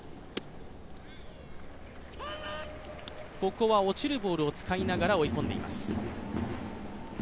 ここは落ちるボールを使いながら追い込んでいます。